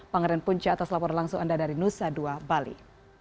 pangeran punca atas laporan langsung anda dari nusa dua bali